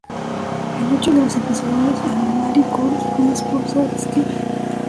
En ocho de los episodios, Annemarie Cordes fue su esposa Steve.